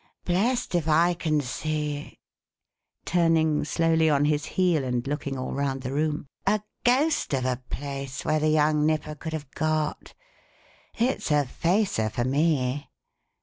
Blest if I can see" turning slowly on his heel and looking all round the room "a ghost of a place where the young nipper could have got. It's a facer for me.